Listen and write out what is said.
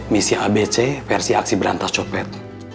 misi abc versi aksi berantas coklat